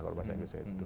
kalau bahasanya bisa itu